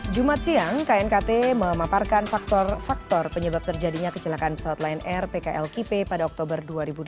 jumat siang knkt memaparkan faktor faktor penyebab terjadinya kecelakaan pesawat lion air pklkp pada oktober dua ribu delapan belas